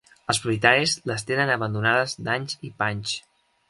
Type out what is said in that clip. Els propietaris les tenen abandonades d'anys i panys.